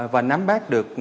và nắm bác được